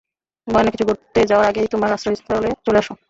ভয়ানক কিছু ঘটে যাওয়ার আগেই তোমার আশ্রয়স্থলে চলে আসো!